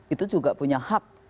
itu juga punya hak